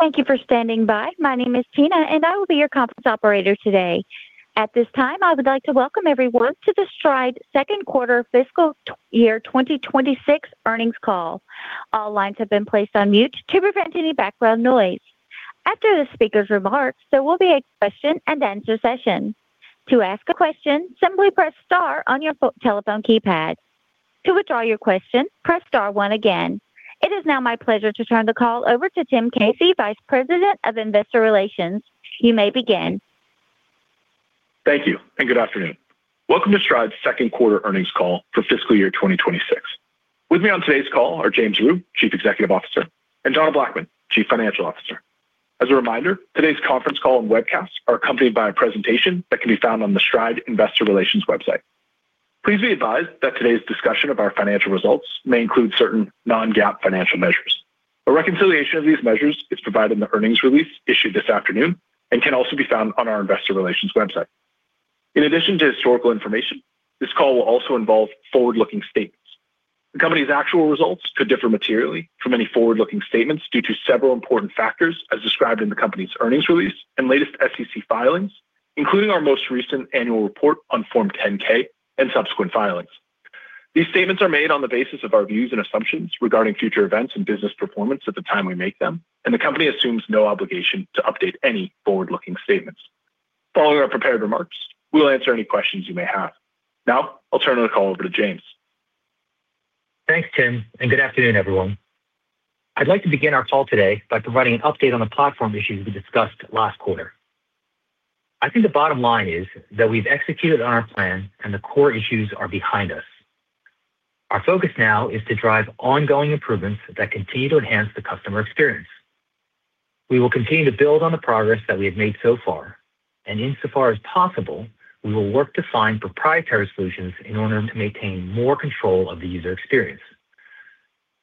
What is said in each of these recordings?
Thank you for standing by. My name is Tina, and I will be your conference operator today. At this time, I would like to welcome everyone to the Stride Second Quarter Fiscal Year 2026 earnings call. All lines have been placed on mute to prevent any background noise. After the speaker's remarks, there will be a question and answer session. To ask a question, simply press star on your telephone keypad. To withdraw your question, press star one again. It is now my pleasure to turn the call over to Tim Casey, Vice President of Investor Relations. You may begin. Thank you, and good afternoon. Welcome to Stride's Second Quarter earnings call for fiscal year 2026. With me on today's call are James Rhyu, Chief Executive Officer, and Donna Blackman, Chief Financial Officer. As a reminder, today's conference call and webcast are accompanied by a presentation that can be found on the Stride Investor Relations website. Please be advised that today's discussion of our financial results may include certain non-GAAP financial measures. A reconciliation of these measures is provided in the earnings release issued this afternoon and can also be found on our Investor Relations website. In addition to historical information, this call will also involve forward-looking statements. The company's actual results could differ materially from any forward-looking statements due to several important factors as described in the company's earnings release and latest SEC filings, including our most recent annual report on Form 10-K and subsequent filings. These statements are made on the basis of our views and assumptions regarding future events and business performance at the time we make them, and the company assumes no obligation to update any forward-looking statements. Following our prepared remarks, we'll answer any questions you may have. Now, I'll turn the call over to James. Thanks, Tim, and good afternoon, everyone. I'd like to begin our call today by providing an update on the platform issues we discussed last quarter. I think the bottom line is that we've executed on our plan, and the core issues are behind us. Our focus now is to drive ongoing improvements that continue to enhance the customer experience. We will continue to build on the progress that we have made so far, and insofar as possible, we will work to find proprietary solutions in order to maintain more control of the user experience.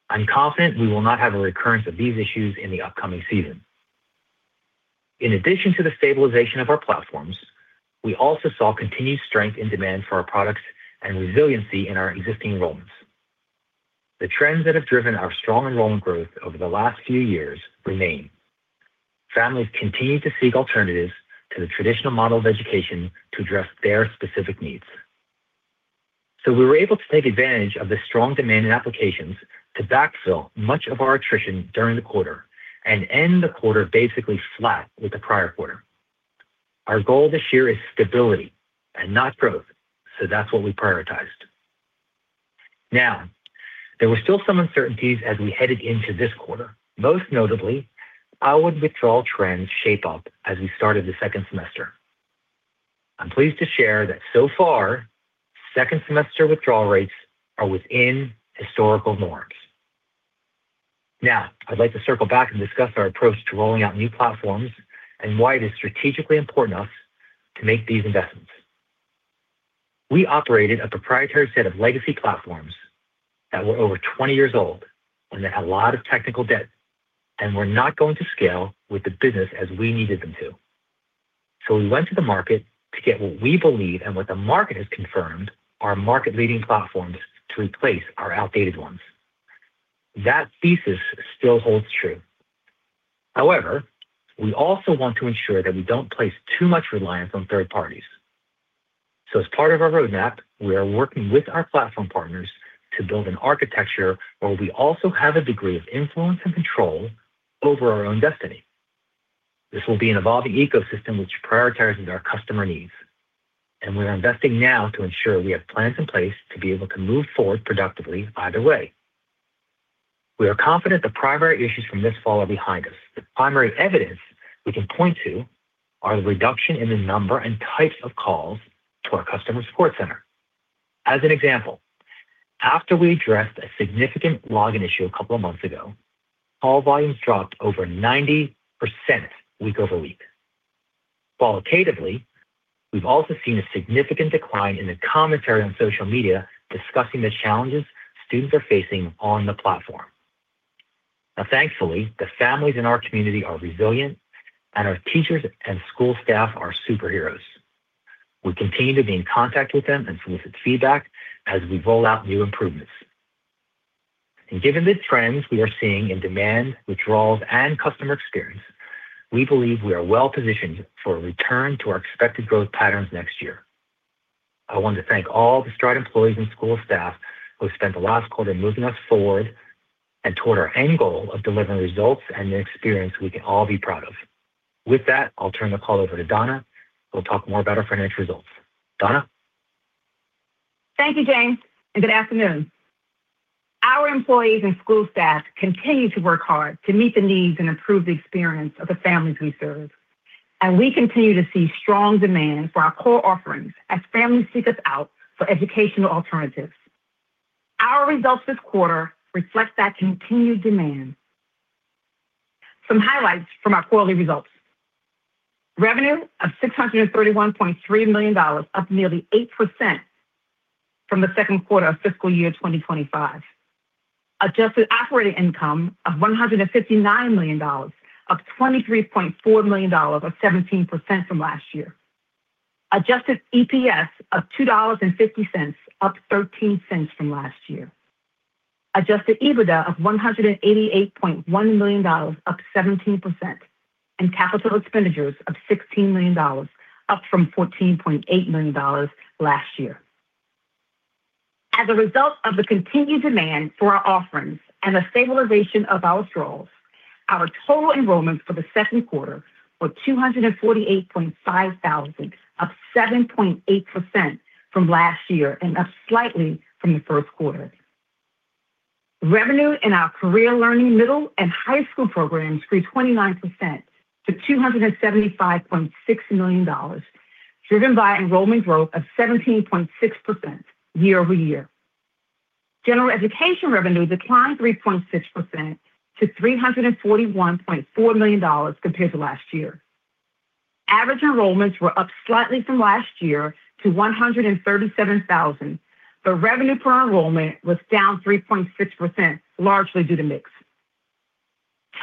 I'm confident we will not have a recurrence of these issues in the upcoming season. In addition to the stabilization of our platforms, we also saw continued strength in demand for our products and resiliency in our existing enrollments. The trends that have driven our strong enrollment growth over the last few years remain. Families continue to seek alternatives to the traditional model of education to address their specific needs. So we were able to take advantage of the strong demand and applications to backfill much of our attrition during the quarter and end the quarter basically flat with the prior quarter. Our goal this year is stability and not growth, so that's what we prioritized. Now, there were still some uncertainties as we headed into this quarter. Most notably, our withdrawal trends shaped up as we started the second semester. I'm pleased to share that so far, second semester withdrawal rates are within historical norms. Now, I'd like to circle back and discuss our approach to rolling out new platforms and why it is strategically important to us to make these investments. We operated a proprietary set of legacy platforms that were over 20 years old and that had a lot of technical debt and were not going to scale with the business as we needed them to. So we went to the market to get what we believe and what the market has confirmed are market-leading platforms to replace our outdated ones. That thesis still holds true. However, we also want to ensure that we don't place too much reliance on third parties. So as part of our roadmap, we are working with our platform partners to build an architecture where we also have a degree of influence and control over our own destiny. This will be an evolving ecosystem which prioritizes our customer needs, and we are investing now to ensure we have plans in place to be able to move forward productively either way. We are confident the primary issues from this fall are behind us. The primary evidence we can point to are the reduction in the number and types of calls to our customer support center. As an example, after we addressed a significant login issue a couple of months ago, call volumes dropped over 90% week over week. Qualitatively, we've also seen a significant decline in the commentary on social media discussing the challenges students are facing on the platform. Now, thankfully, the families in our community are resilient, and our teachers and school staff are superheroes. We continue to be in contact with them and solicit feedback as we roll out new improvements. Given the trends we are seeing in demand, withdrawals, and customer experience, we believe we are well-positioned for a return to our expected growth patterns next year. I want to thank all the Stride employees and school staff who have spent the last quarter moving us forward and toward our end goal of delivering results and an experience we can all be proud of. With that, I'll turn the call over to Donna. We'll talk more about our financial results. Donna. Thank you, James, and good afternoon. Our employees and school staff continue to work hard to meet the needs and improve the experience of the families we serve. We continue to see strong demand for our core offerings as families seek us out for educational alternatives. Our results this quarter reflect that continued demand. Some highlights from our quarterly results: revenue of $631.3 million, up nearly 8% from the second quarter of fiscal year 2025. Adjusted Operating Income of $159 million, up $23.4 million, up 17% from last year. Adjusted EPS of $2.50, up 13% from last year. Adjusted EBITDA of $188.1 million, up 17%. And capital expenditures of $16 million, up from $14.8 million last year. As a result of the continued demand for our offerings and the stabilization of our withdrawals, our total enrollments for the second quarter were 248,500, up 7.8% from last year and up slightly from the first quarter. Revenue in our Career Learning middle and high school programs grew 29% to $275.6 million, driven by enrollment growth of 17.6% year-over-year. General Education revenue declined 3.6% to $341.4 million compared to last year. Average enrollments were up slightly from last year to 137,000, but revenue per enrollment was down 3.6%, largely due to mix.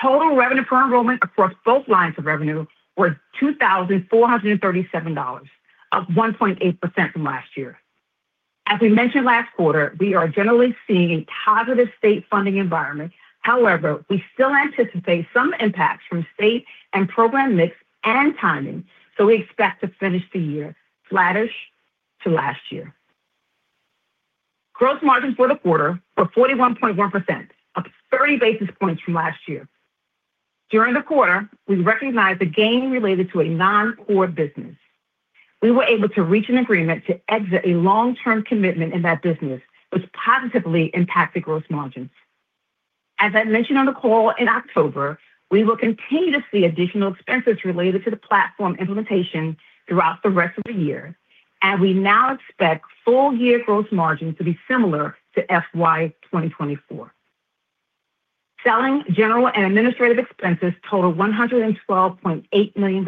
Total revenue per enrollment across both lines of revenue was $2,437, up 1.8% from last year. As we mentioned last quarter, we are generally seeing a positive state funding environment. However, we still anticipate some impacts from state and program mix and timing, so we expect to finish the year flattish to last year. Gross margin for the quarter was 41.1%, up 30 basis points from last year. During the quarter, we recognized the gain related to a non-core business. We were able to reach an agreement to exit a long-term commitment in that business, which positively impacted gross margins. As I mentioned on the call in October, we will continue to see additional expenses related to the platform implementation throughout the rest of the year, and we now expect full-year gross margins to be similar to FY 2024. Selling general and administrative expenses totaled $112.8 million,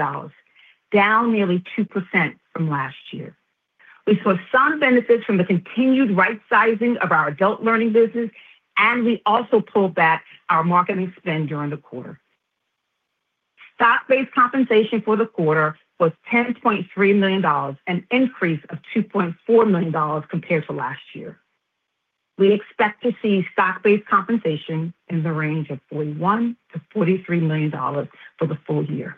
down nearly 2% from last year. We saw some benefits from the continued right-sizing of our Adult Learning business, and we also pulled back our marketing spend during the quarter. Stock-based compensation for the quarter was $10.3 million, an increase of $2.4 million compared to last year. We expect to see stock-based compensation in the range of $41 million-$43 million for the full year.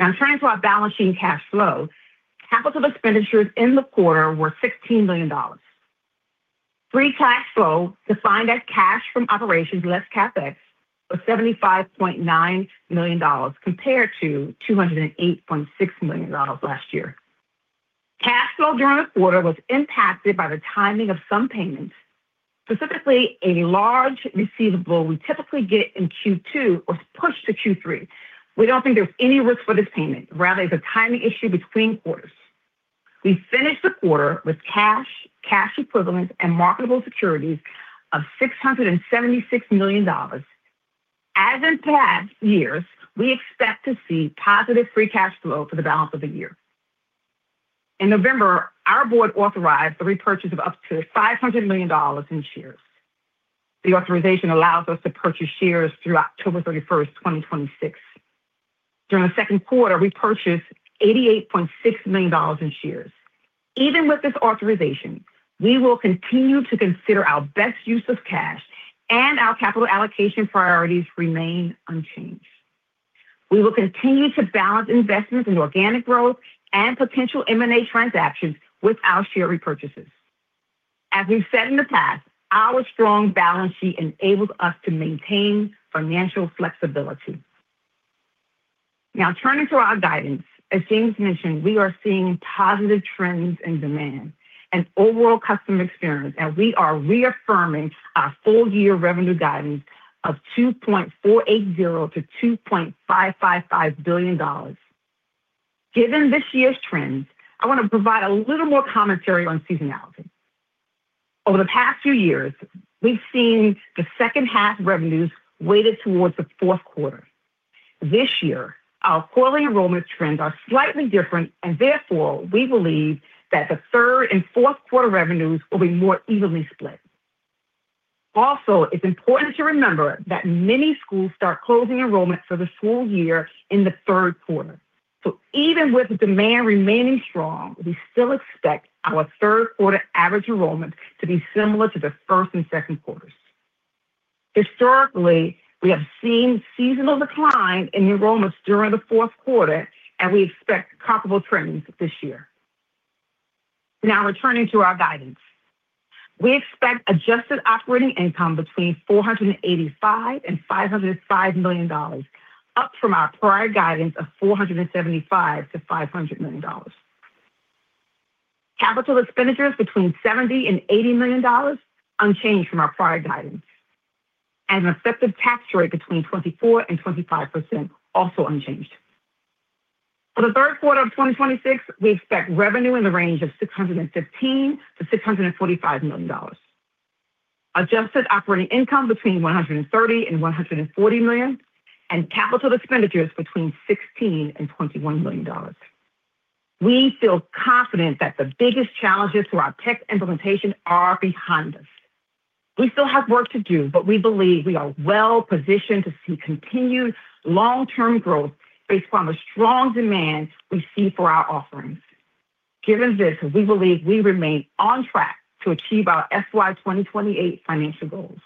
Now, turning to our balance sheet and cash flow, capital expenditures in the quarter were $16 million. Free cash flow, defined as cash from operations less capex, was $75.9 million compared to $208.6 million last year. Cash flow during the quarter was impacted by the timing of some payments, specifically a large receivable we typically get in Q2 or push to Q3. We don't think there's any risk for this payment. Rather, it's a timing issue between quarters. We finished the quarter with cash, cash equivalents, and marketable securities of $676 million. As in past years, we expect to see positive free cash flow for the balance of the year. In November, our board authorized the repurchase of up to $500 million in shares. The authorization allows us to purchase shares through October 31, 2026. During the second quarter, we purchased $88.6 million in shares. Even with this authorization, we will continue to consider our best use of cash, and our capital allocation priorities remain unchanged. We will continue to balance investments in organic growth and potential M&A transactions with our share repurchases. As we've said in the past, our strong balance sheet enables us to maintain financial flexibility. Now, turning to our guidance, as James mentioned, we are seeing positive trends in demand and overall customer experience, and we are reaffirming our full-year revenue guidance of $2.480 billion-$2.555 billion. Given this year's trends, I want to provide a little more commentary on seasonality. Over the past few years, we've seen the second half revenues weighted towards the fourth quarter. This year, our quarterly enrollment trends are slightly different, and therefore, we believe that the third and fourth quarter revenues will be more evenly split. Also, it's important to remember that many schools start closing enrollment for the school year in the third quarter. So even with the demand remaining strong, we still expect our third quarter average enrollment to be similar to the first and second quarters. Historically, we have seen seasonal decline in enrollments during the fourth quarter, and we expect comparable trends this year. Now, returning to our guidance, we expect Adjusted Operating Income between $485 million-$505 million, up from our prior guidance of $475 million-$500 million. Capital Expenditures between $70 million-$80 million, unchanged from our prior guidance. And an effective tax rate between 24%-25%, also unchanged. For the third quarter of 2026, we expect revenue in the range of $615 million-$645 million. Adjusted Operating Income between $130 million-$140 million, and capital expenditures between $16 million-$21 million. We feel confident that the biggest challenges to our tech implementation are behind us. We still have work to do, but we believe we are well-positioned to see continued long-term growth based upon the strong demand we see for our offerings. Given this, we believe we remain on track to achieve our FY 2028 financial goals.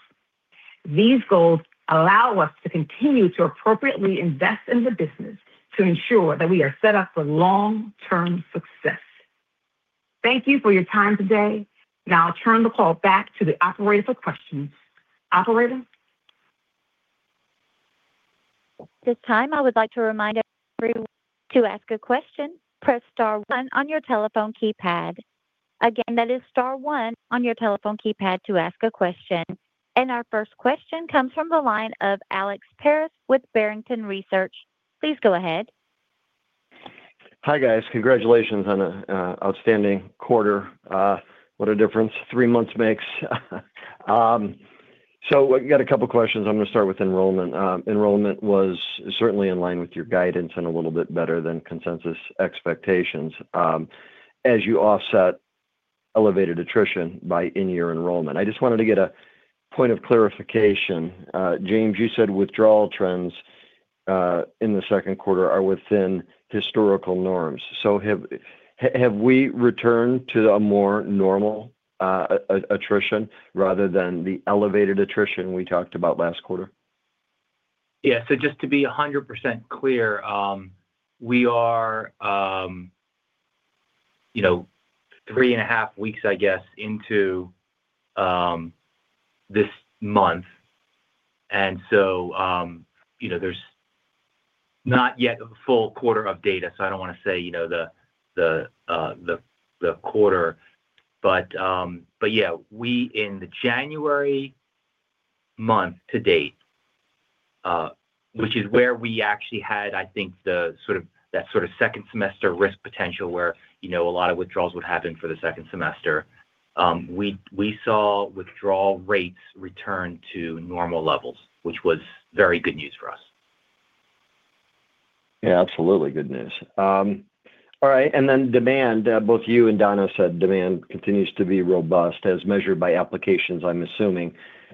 These goals allow us to continue to appropriately invest in the business to ensure that we are set up for long-term success. Thank you for your time today. Now, I'll turn the call back to the operator for questions. Operator. This time, I would like to remind everyone to ask a question. Press star one on your telephone keypad. Again, that is star one on your telephone keypad to ask a question. And our first question comes from the line of Alex Paris with Barrington Research. Please go ahead. Hi guys. Congratulations on an outstanding quarter. What a difference three months makes. We've got a couple of questions. I'm going to start with enrollment. Enrollment was certainly in line with your guidance and a little bit better than consensus expectations as you offset elevated attrition by in-year enrollment. I just wanted to get a point of clarification. James, you said withdrawal trends in the second quarter are within historical norms. Have we returned to a more normal attrition rather than the elevated attrition we talked about last quarter? Yeah. So just to be 100% clear, we are 3.5 weeks, I guess, into this month. And so there's not yet a full quarter of data, so I don't want to say the quarter. But yeah, we in the January month to date, which is where we actually had, I think, that sort of second semester risk potential where a lot of withdrawals would happen for the second semester, we saw withdrawal rates return to normal levels, which was very good news for us. Yeah, absolutely good news. All right. And then demand, both you and Donna said demand continues to be robust as measured by applications, I'm assuming.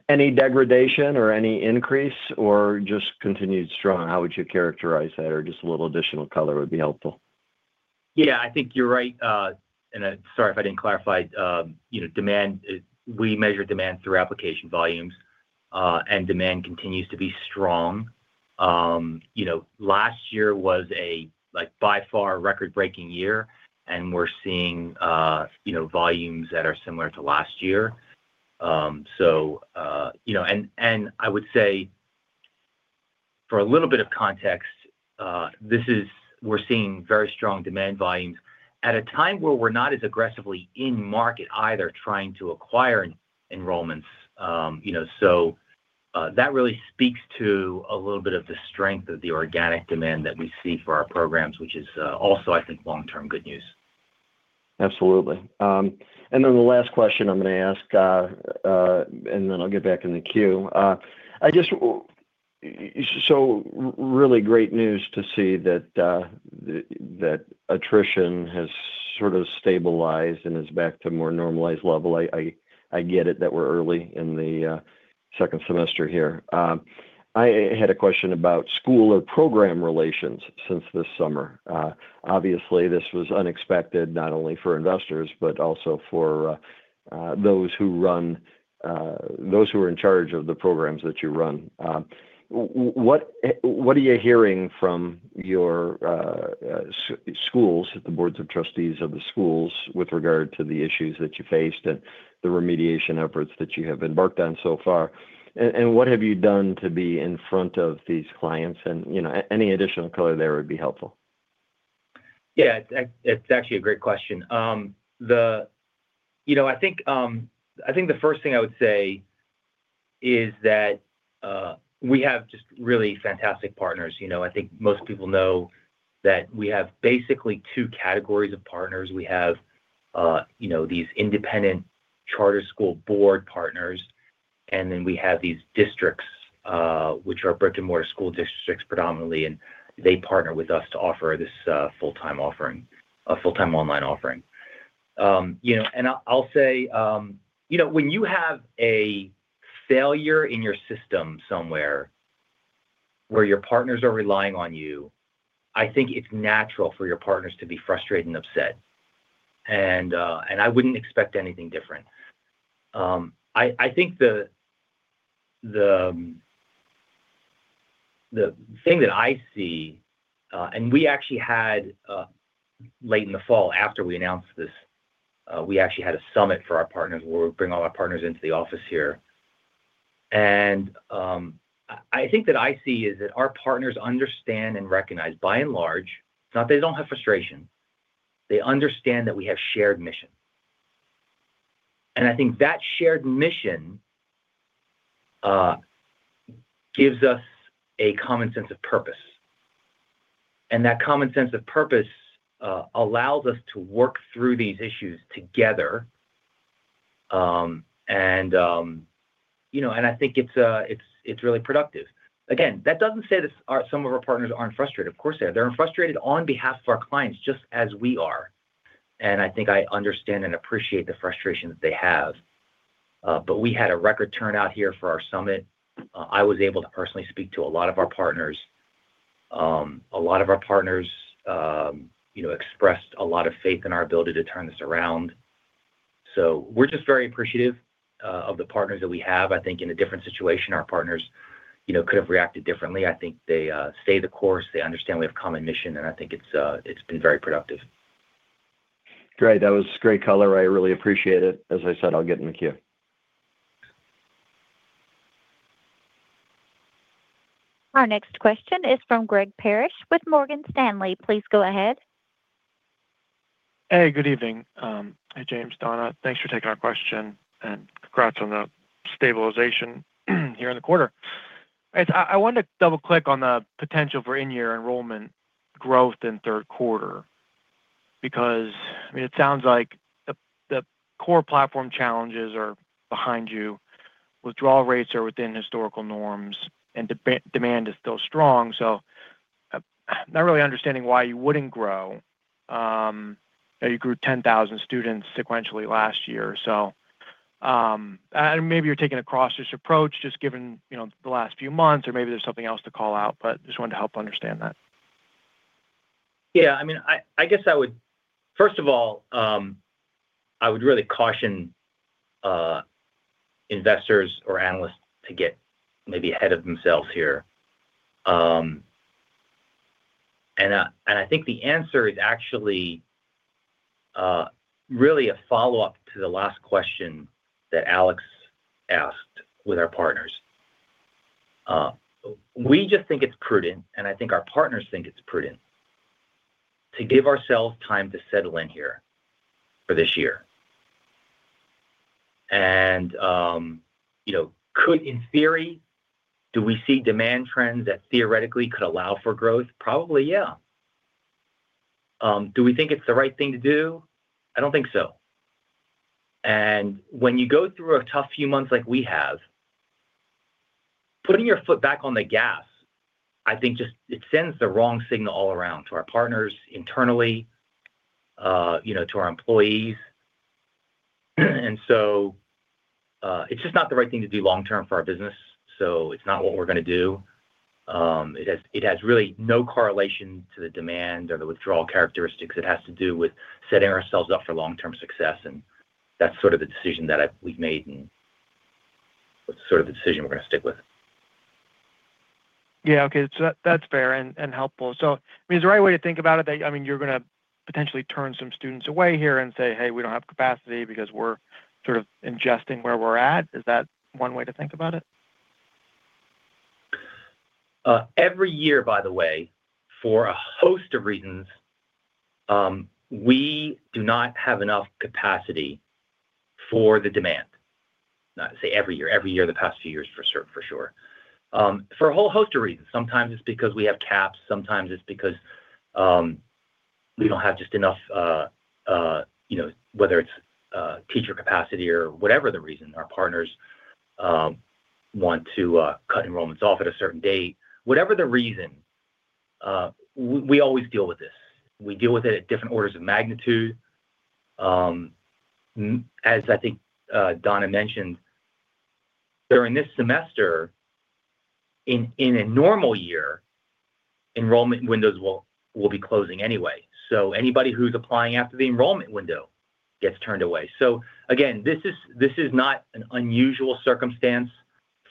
Any degradation or any increase or just continued strong? How would you characterize that? Or just a little additional color would be helpful. Yeah, I think you're right. And sorry if I didn't clarify. Demand, we measure demand through application volumes, and demand continues to be strong. Last year was by far record-breaking year, and we're seeing volumes that are similar to last year. So, and I would say for a little bit of context, this is we're seeing very strong demand volumes at a time where we're not as aggressively in market either trying to acquire enrollments. So that really speaks to a little bit of the strength of the organic demand that we see for our programs, which is also, I think, long-term good news. Absolutely. And then the last question I'm going to ask, and then I'll get back in the queue. So really great news to see that attrition has sort of stabilized and is back to a more normalized level. I get it that we're early in the second semester here. I had a question about school or program relations since this summer. Obviously, this was unexpected not only for investors, but also for those who are in charge of the programs that you run. What are you hearing from your schools, the boards of trustees of the schools, with regard to the issues that you faced and the remediation efforts that you have embarked on so far? And what have you done to be in front of these clients? And any additional color there would be helpful. Yeah, it's actually a great question. I think the first thing I would say is that we have just really fantastic partners. I think most people know that we have basically two categories of partners. We have these independent charter school board partners, and then we have these districts, which are brick-and-mortar school districts predominantly, and they partner with us to offer this full-time offering, a full-time online offering. And I'll say when you have a failure in your system somewhere where your partners are relying on you, I think it's natural for your partners to be frustrated and upset. And I wouldn't expect anything different. I think the thing that I see, and we actually had late in the fall after we announced this, we actually had a summit for our partners where we bring all our partners into the office here. I think that I see is that our partners understand and recognize, by and large, not that they don't have frustration. They understand that we have shared mission. I think that shared mission gives us a common sense of purpose. That common sense of purpose allows us to work through these issues together. I think it's really productive. Again, that doesn't say that some of our partners aren't frustrated. Of course they are. They're frustrated on behalf of our clients, just as we are. I think I understand and appreciate the frustrations they have. But we had a record turnout here for our summit. I was able to personally speak to a lot of our partners. A lot of our partners expressed a lot of faith in our ability to turn this around. We're just very appreciative of the partners that we have. I think in a different situation, our partners could have reacted differently. I think they stay the course. They understand we have common mission, and I think it's been very productive. Great. That was great color. I really appreciate it. As I said, I'll get in the queue. Our next question is from Greg Parrish with Morgan Stanley. Please go ahead. Hey, good evening. Hey, James, Donna. Thanks for taking our question and congrats on the stabilization here in the quarter. I wanted to double-click on the potential for in-year enrollment growth in third quarter because, I mean, it sounds like the core platform challenges are behind you. Withdrawal rates are within historical norms, and demand is still strong. So I'm not really understanding why you wouldn't grow. You grew 10,000 students sequentially last year. So maybe you're taking a cautious approach just given the last few months, or maybe there's something else to call out, but just wanted to help understand that. Yeah. I mean, I guess I would, first of all, I would really caution investors or analysts to get maybe ahead of themselves here. And I think the answer is actually really a follow-up to the last question that Alex asked with our partners. We just think it's prudent, and I think our partners think it's prudent to give ourselves time to settle in here for this year. And could, in theory, do we see demand trends that theoretically could allow for growth? Probably, yeah. Do we think it's the right thing to do? I don't think so. And when you go through a tough few months like we have, putting your foot back on the gas, I think just it sends the wrong signal all around to our partners internally, to our employees. And so it's just not the right thing to do long-term for our business. It's not what we're going to do. It has really no correlation to the demand or the withdrawal characteristics. It has to do with setting ourselves up for long-term success. That's sort of the decision that we've made and what's sort of the decision we're going to stick with. Yeah. Okay. So that's fair and helpful. So I mean, is the right way to think about it that, I mean, you're going to potentially turn some students away here and say, "Hey, we don't have capacity because we're sort of ingesting where we're at?" Is that one way to think about it? Every year, by the way, for a host of reasons, we do not have enough capacity for the demand. Not to say every year. Every year the past few years, for sure. For a whole host of reasons. Sometimes it's because we have caps. Sometimes it's because we don't have just enough, whether it's teacher capacity or whatever the reason. Our partners want to cut enrollments off at a certain date. Whatever the reason, we always deal with this. We deal with it at different orders of magnitude. As I think Donna mentioned, during this semester, in a normal year, enrollment windows will be closing anyway. So anybody who's applying after the enrollment window gets turned away. So again, this is not an unusual circumstance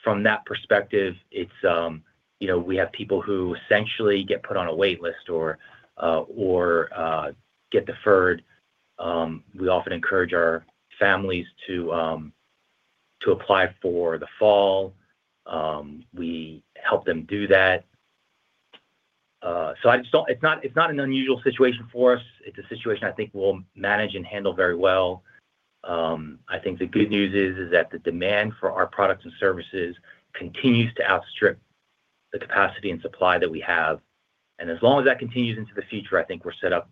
from that perspective. We have people who essentially get put on a waitlist or get deferred. We often encourage our families to apply for the fall. We help them do that. So it's not an unusual situation for us. It's a situation I think we'll manage and handle very well. I think the good news is that the demand for our products and services continues to outstrip the capacity and supply that we have. And as long as that continues into the future, I think we're set up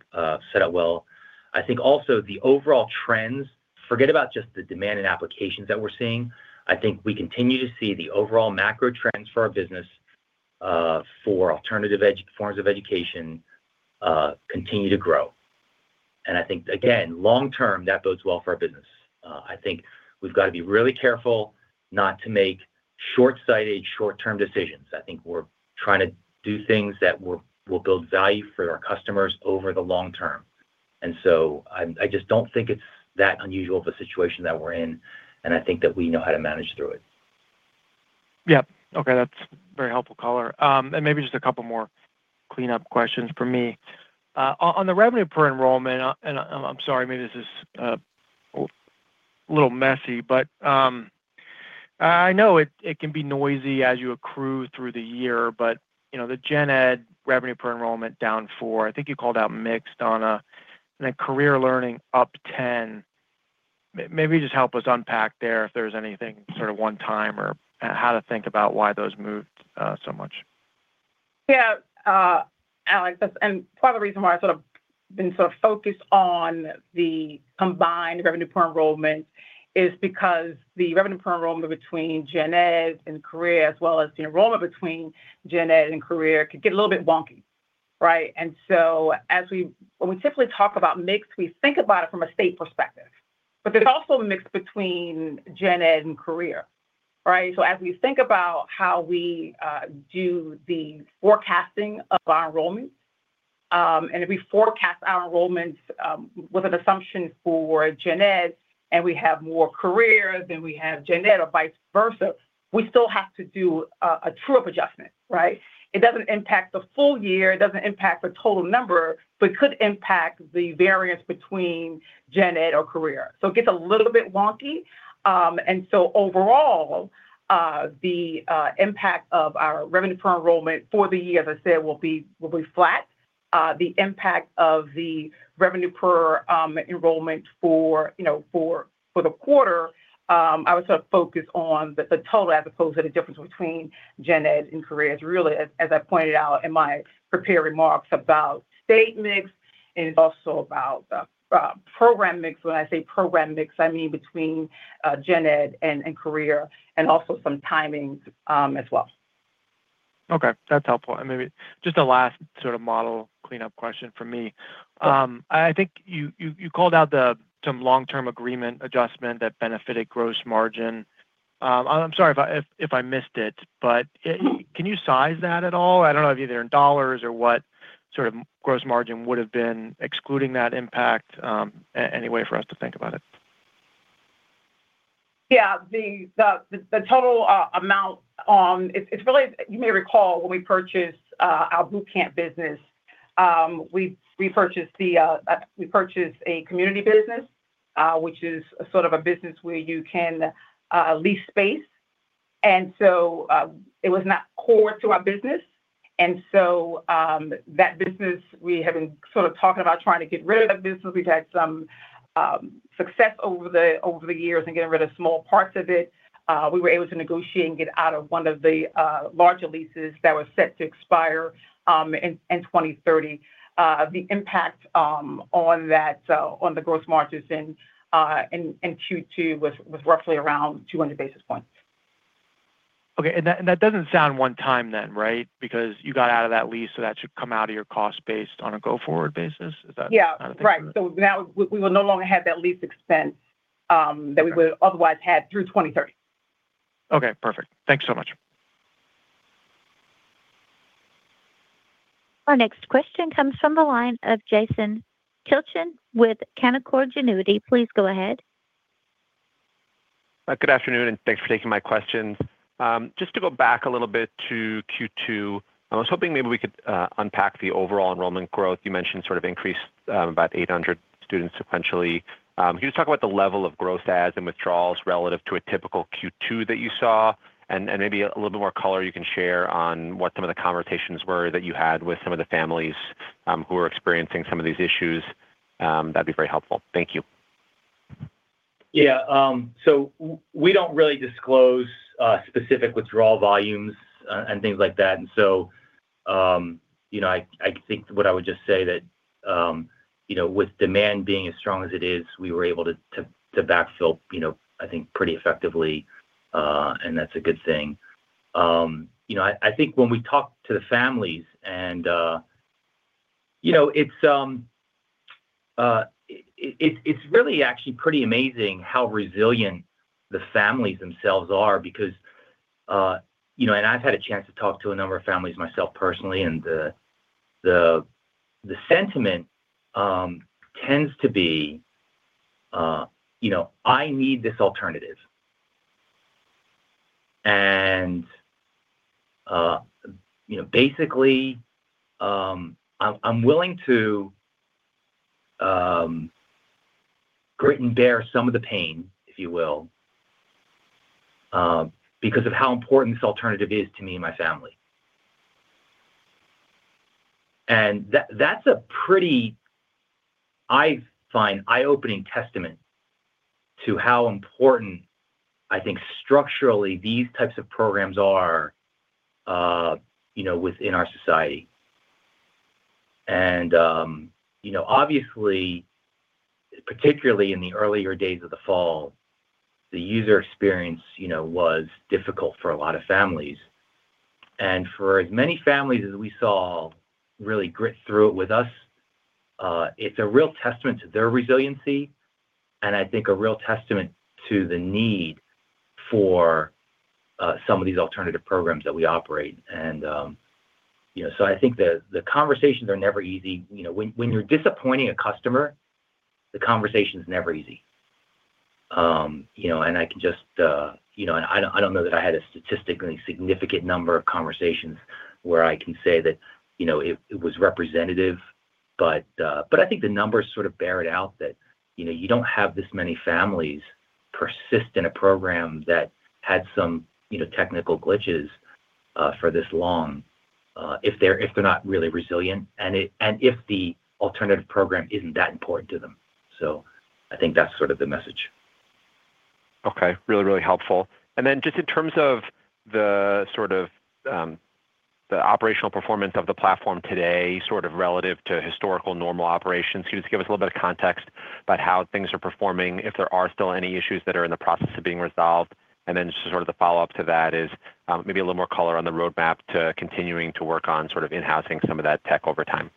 well. I think also the overall trends, forget about just the demand and applications that we're seeing. I think we continue to see the overall macro trends for our business for alternative forms of education continue to grow. And I think, again, long-term, that bodes well for our business. I think we've got to be really careful not to make short-sighted, short-term decisions. I think we're trying to do things that will build value for our customers over the long term. And so I just don't think it's that unusual of a situation that we're in. And I think that we know how to manage through it. Yep. Okay. That's very helpful color. Maybe just a couple more cleanup questions for me. On the revenue per enrollment, and I'm sorry, maybe this is a little messy, but I know it can be noisy as you accrue through the year, but the Gen Ed revenue per enrollment down 4. I think you called out mixed, Donna. Then Career Learning up 10. Maybe just help us unpack there if there's anything sort of one-timer or how to think about why those moved so much. Yeah, Alex. And part of the reason why I've sort of been so focused on the combined revenue per enrollment is because the revenue per enrollment between Gen Ed and Career, as well as the enrollment between Gen Ed and Career, could get a little bit wonky, right? And so when we typically talk about mixed, we think about it from a state perspective. But there's also a mix between Gen Ed and Career, right? So as we think about how we do the forecasting of our enrollments, and if we forecast our enrollments with an assumption for Gen Ed, and we have more Career than we have Gen Ed or vice versa, we still have to do a true-up adjustment, right? It doesn't impact the full year. It doesn't impact the total number, but it could impact the variance between Gen Ed or Career. So it gets a little bit wonky. So overall, the impact of our revenue per enrollment for the year, as I said, will be flat. The impact of the revenue per enrollment for the quarter, I would sort of focus on the total as opposed to the difference between Gen Ed and Career. It's really, as I pointed out in my prepared remarks about state mix and also about program mix. When I say program mix, I mean between Gen Ed and Career and also some timing as well. Okay. That's helpful. And maybe just a last sort of model cleanup question for me. I think you called out some long-term agreement adjustment that benefited gross margin. I'm sorry if I missed it, but can you size that at all? I don't know if either in dollars or what sort of gross margin would have been excluding that impact any way for us to think about it? Yeah. The total amount, it's really, you may recall when we purchased our bootcamp business, we purchased a community business, which is sort of a business where you can lease space. And so it was not core to our business. And so that business, we have been sort of talking about trying to get rid of that business. We've had some success over the years in getting rid of small parts of it. We were able to negotiate and get out of one of the larger leases that were set to expire in 2030. The impact on that, on the gross margins in Q2 was roughly around 200 basis points. Okay. That doesn't sound one-time then, right? Because you got out of that lease, so that should come out of your cost based on a go-forward basis. Is that kind of thing? Yeah. Right. So we will no longer have that lease expense that we would otherwise have through 2030. Okay. Perfect. Thanks so much. Our next question comes from the line of Jason Tilchen with Canaccord Genuity. Please go ahead. Good afternoon, and thanks for taking my questions. Just to go back a little bit to Q2, I was hoping maybe we could unpack the overall enrollment growth. You mentioned sort of increased about 800 students sequentially. Can you just talk about the level of gross adds and withdrawals relative to a typical Q2 that you saw? And maybe a little bit more color you can share on what some of the conversations were that you had with some of the families who are experiencing some of these issues. That'd be very helpful. Thank you. Yeah. So we don't really disclose specific withdrawal volumes and things like that. And so I think what I would just say that with demand being as strong as it is, we were able to backfill, I think, pretty effectively. And that's a good thing. I think when we talk to the families, and it's really actually pretty amazing how resilient the families themselves are because, and I've had a chance to talk to a number of families myself personally, and the sentiment tends to be, "I need this alternative." And basically, I'm willing to grin and bear some of the pain, if you will, because of how important this alternative is to me and my family. And that's a pretty, I find, eye-opening testament to how important, I think, structurally these types of programs are within our society. Obviously, particularly in the earlier days of the fall, the user experience was difficult for a lot of families. For as many families as we saw really grit through it with us, it's a real testament to their resiliency, and I think a real testament to the need for some of these alternative programs that we operate. So I think the conversations are never easy. When you're disappointing a customer, the conversation's never easy. And I can just, and I don't know that I had a statistically significant number of conversations where I can say that it was representative. But I think the numbers sort of bear it out that you don't have this many families persist in a program that had some technical glitches for this long if they're not really resilient and if the alternative program isn't that important to them. So I think that's sort of the message. Okay. Really, really helpful. And then just in terms of the sort of the operational performance of the platform today, sort of relative to historical normal operations, can you just give us a little bit of context about how things are performing, if there are still any issues that are in the process of being resolved? And then just sort of the follow-up to that is maybe a little more color on the roadmap to continuing to work on sort of in-housing some of that tech over time.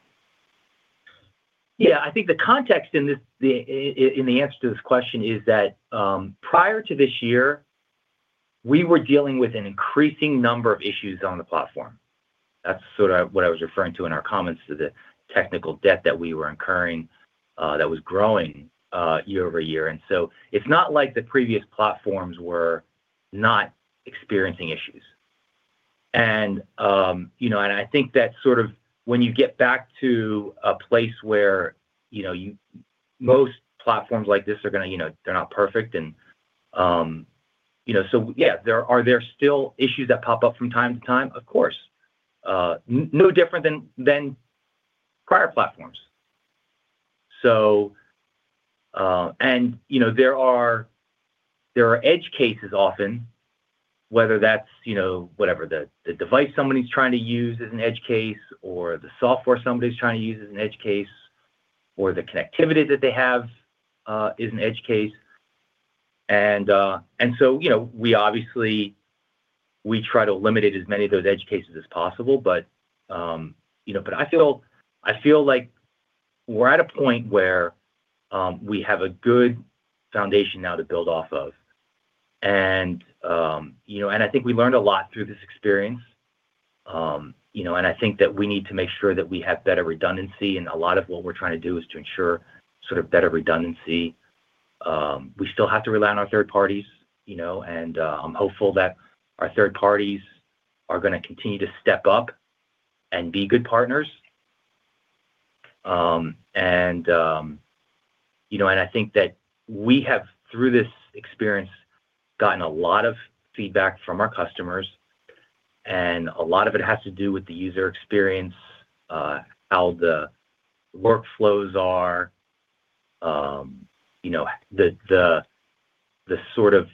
Yeah. I think the context in the answer to this question is that prior to this year, we were dealing with an increasing number of issues on the platform. That's sort of what I was referring to in our comments to the technical debt that we were incurring that was growing year over year. And so it's not like the previous platforms were not experiencing issues. And I think that sort of when you get back to a place where most platforms like this are going to, they're not perfect. And so yeah, are there still issues that pop up from time to time? Of course. No different than prior platforms. There are edge cases often, whether that's whatever the device somebody's trying to use is an edge case, or the software somebody's trying to use is an edge case, or the connectivity that they have is an edge case. And so we obviously, we try to eliminate as many of those edge cases as possible. But I feel like we're at a point where we have a good foundation now to build off of. And I think we learned a lot through this experience. And I think that we need to make sure that we have better redundancy. And a lot of what we're trying to do is to ensure sort of better redundancy. We still have to rely on our third parties. And I'm hopeful that our third parties are going to continue to step up and be good partners. I think that we have, through this experience, gotten a lot of feedback from our customers. A lot of it has to do with the user experience, how the workflows are, the sort of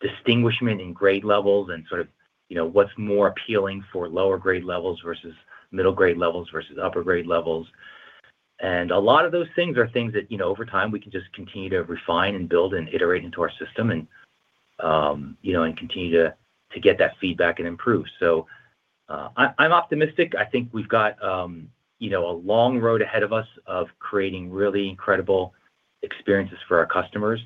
distinction in grade levels, and sort of what's more appealing for lower grade levels versus middle grade levels versus upper grade levels. A lot of those things are things that over time, we can just continue to refine and build and iterate into our system and continue to get that feedback and improve. So I'm optimistic. I think we've got a long road ahead of us of creating really incredible experiences for our customers.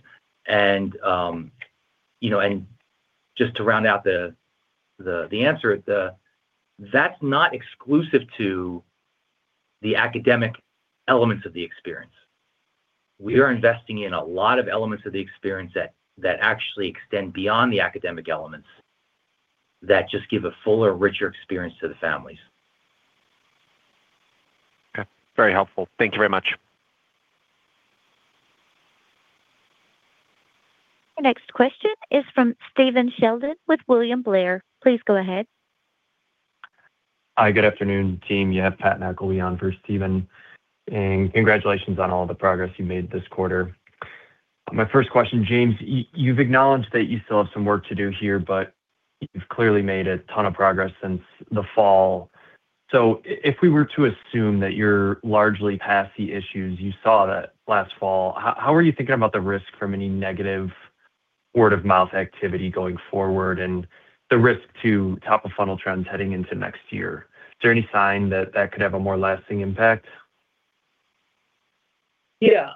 Just to round out the answer, that's not exclusive to the academic elements of the experience. We are investing in a lot of elements of the experience that actually extend beyond the academic elements that just give a fuller, richer experience to the families. Okay. Very helpful. Thank you very much. Our next question is from Stephen Sheldon with William Blair. Please go ahead. Hi. Good afternoon, team. You have Pat McIlwee for Stephen. And congratulations on all the progress you made this quarter. My first question, James, you've acknowledged that you still have some work to do here, but you've clearly made a ton of progress since the fall. So if we were to assume that you're largely past the issues you saw last fall, how are you thinking about the risk from any negative word-of-mouth activity going forward and the risk to top-of-funnel trends heading into next year? Is there any sign that that could have a more lasting impact? Yeah.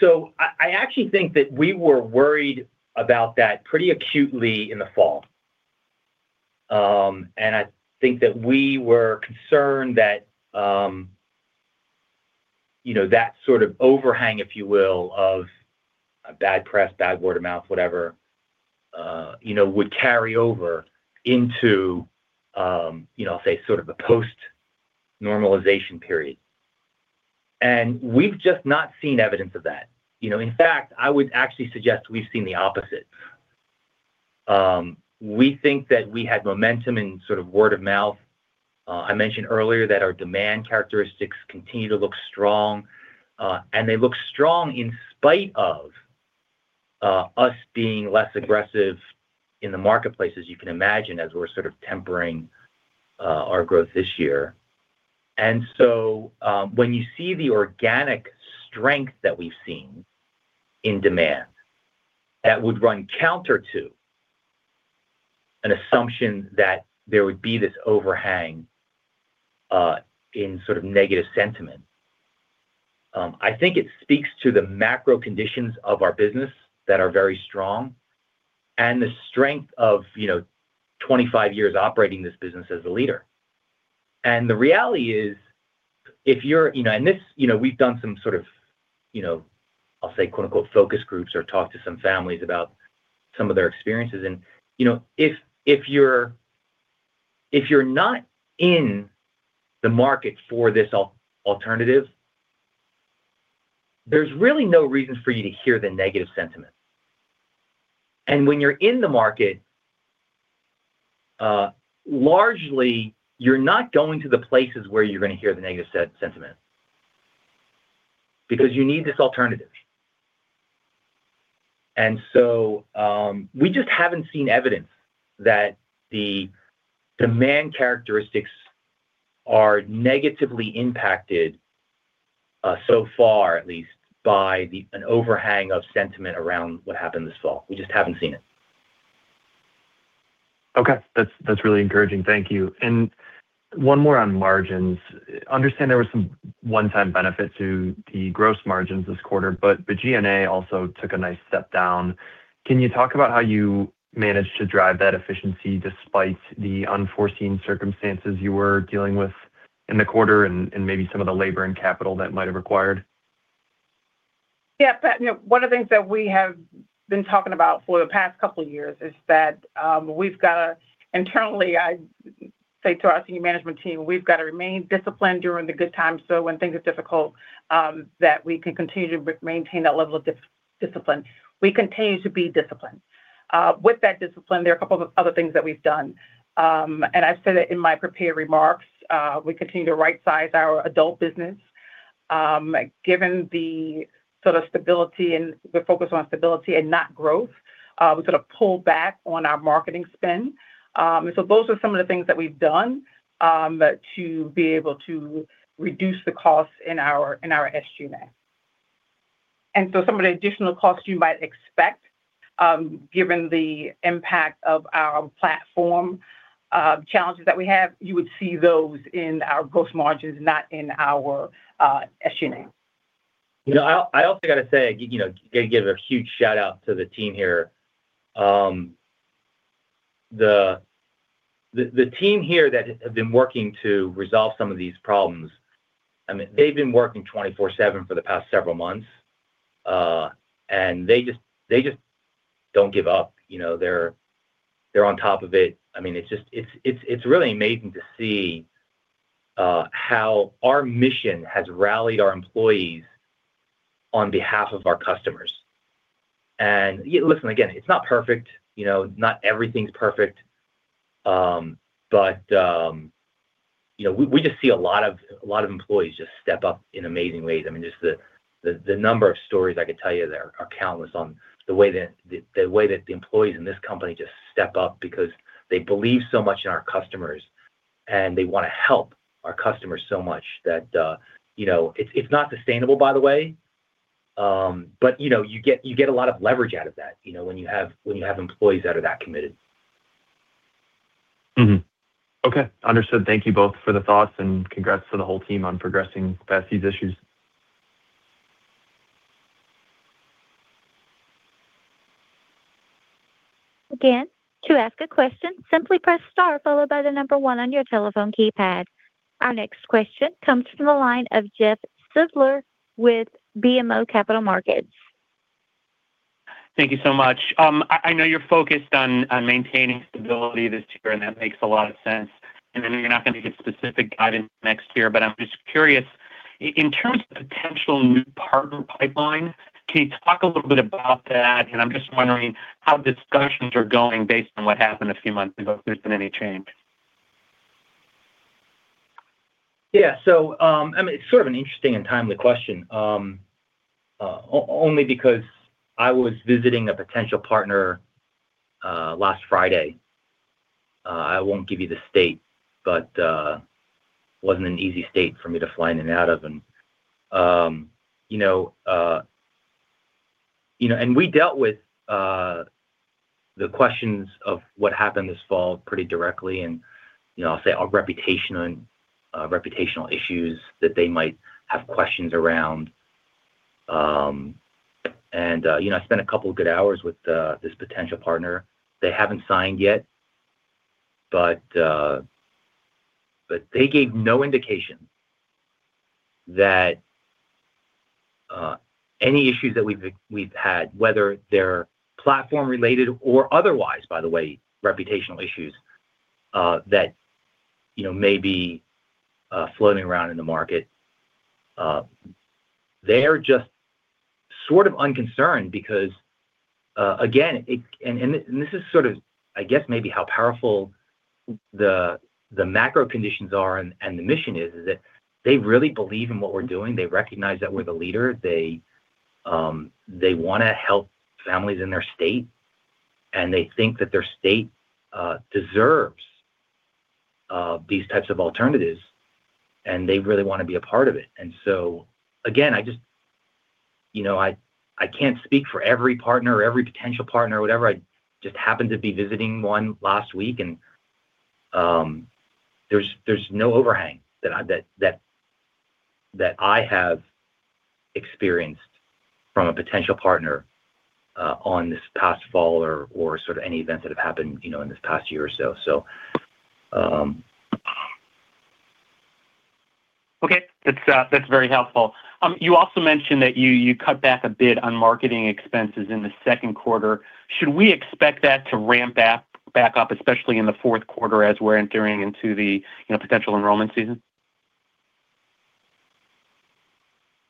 So I actually think that we were worried about that pretty acutely in the fall. And I think that we were concerned that that sort of overhang, if you will, of bad press, bad word of mouth, whatever, would carry over into, I'll say, sort of a post-normalization period. And we've just not seen evidence of that. In fact, I would actually suggest we've seen the opposite. We think that we had momentum in sort of word-of-mouth. I mentioned earlier that our demand characteristics continue to look strong. And they look strong in spite of us being less aggressive in the marketplaces, you can imagine, as we're sort of tempering our growth this year. And so when you see the organic strength that we've seen in demand, that would run counter to an assumption that there would be this overhang in sort of negative sentiment. I think it speaks to the macro conditions of our business that are very strong and the strength of 25 years operating this business as a leader. The reality is, if you're, and this we've done some sort of, I'll say, "focus groups" or talked to some families about some of their experiences. If you're not in the market for this alternative, there's really no reason for you to hear the negative sentiment. When you're in the market, largely, you're not going to the places where you're going to hear the negative sentiment because you need this alternative. So we just haven't seen evidence that the demand characteristics are negatively impacted so far, at least, by an overhang of sentiment around what happened this fall. We just haven't seen it. Okay. That's really encouraging. Thank you. And one more on margins. Understand there were some one-time benefits to the gross margins this quarter, but the G&A also took a nice step down. Can you talk about how you managed to drive that efficiency despite the unforeseen circumstances you were dealing with in the quarter and maybe some of the labor and capital that might have required? Yeah. One of the things that we have been talking about for the past couple of years is that we've got to internally, I say to our senior management team, we've got to remain disciplined during the good times so when things are difficult that we can continue to maintain that level of discipline. We continue to be disciplined. With that discipline, there are a couple of other things that we've done. I've said it in my prepared remarks. We continue to right-size our adult business. Given the sort of stability and the focus on stability and not growth, we sort of pulled back on our marketing spend. So those are some of the things that we've done to be able to reduce the costs in our SG&A. Some of the additional costs you might expect, given the impact of our platform challenges that we have, you would see those in our gross margins, not in our SG&A. I also got to say, give a huge shout-out to the team here. The team here that have been working to resolve some of these problems, I mean, they've been working 24/7 for the past several months. They just don't give up. They're on top of it. I mean, it's really amazing to see how our mission has rallied our employees on behalf of our customers. Listen, again, it's not perfect. Not everything's perfect. We just see a lot of employees just step up in amazing ways. I mean, just the number of stories I could tell you. There are countless on the way that the employees in this company just step up because they believe so much in our customers, and they want to help our customers so much that it's not sustainable, by the way. But you get a lot of leverage out of that when you have employees that are that committed. Okay. Understood. Thank you both for the thoughts. Congrats to the whole team on progressing past these issues. Again, to ask a question, simply press star followed by the number one on your telephone keypad. Our next question comes from the line of Jeff Silber with BMO Capital Markets. Thank you so much. I know you're focused on maintaining stability this year, and that makes a lot of sense. And then you're not going to get specific guidance next year. But I'm just curious, in terms of potential new partner pipeline, can you talk a little bit about that? And I'm just wondering how discussions are going based on what happened a few months ago, if there's been any change? Yeah. So I mean, it's sort of an interesting and timely question only because I was visiting a potential partner last Friday. I won't give you the state, but it wasn't an easy state for me to fly in and out of. And we dealt with the questions of what happened this fall pretty directly. And I'll say our reputational issues that they might have questions around. And I spent a couple of good hours with this potential partner. They haven't signed yet, but they gave no indication that any issues that we've had, whether they're platform-related or otherwise, by the way, reputational issues that may be floating around in the market, they're just sort of unconcerned because, again, and this is sort of, I guess, maybe how powerful the macro conditions are and the mission is, is that they really believe in what we're doing. They recognize that we're the leader. They want to help families in their state. And they think that their state deserves these types of alternatives. And they really want to be a part of it. And so, again, I just I can't speak for every partner or every potential partner or whatever. I just happened to be visiting one last week. And there's no overhang that I have experienced from a potential partner on this past fall or sort of any events that have happened in this past year or so. Okay. That's very helpful. You also mentioned that you cut back a bit on marketing expenses in the second quarter. Should we expect that to ramp back up, especially in the fourth quarter as we're entering into the potential enrollment season?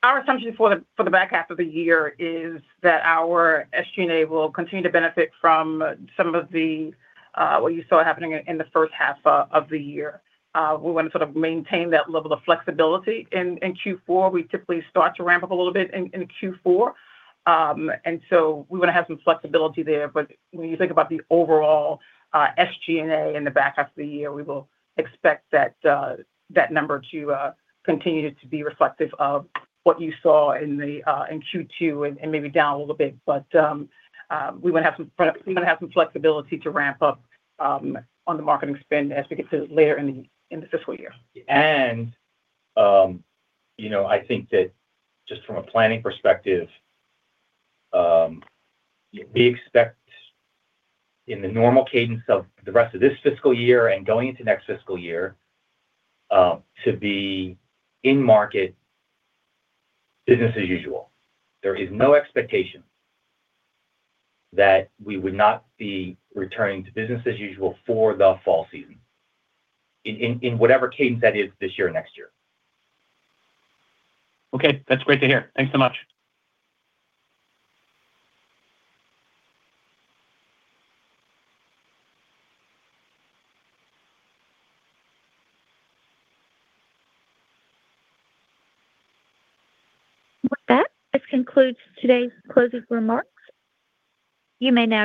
Our assumption for the back half of the year is that our SG&A will continue to benefit from some of what you saw happening in the first half of the year. We want to sort of maintain that level of flexibility in Q4. We typically start to ramp up a little bit in Q4. So we want to have some flexibility there. But when you think about the overall SG&A in the back half of the year, we will expect that number to continue to be reflective of what you saw in Q2 and maybe down a little bit. But we want to have some flexibility to ramp up on the marketing spend as we get to later in the fiscal year. I think that just from a planning perspective, we expect in the normal cadence of the rest of this fiscal year and going into next fiscal year to be in-market business as usual. There is no expectation that we would not be returning to business as usual for the fall season in whatever cadence that is this year and next year. Okay. That's great to hear. Thanks so much. With that, this concludes today's closing remarks. You may now.